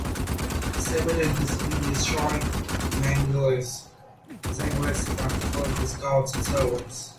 Seibert and his men destroy Mengele's jungle estate after killing his guards and servants.